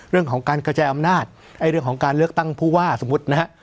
เรื่องของการกระจายอำนาจเรื่องของการเลือกตั้งผู้ว่าสมมุตินะฮะ